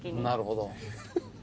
なるほど。